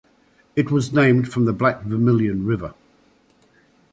It was named from the Black Vermillion River.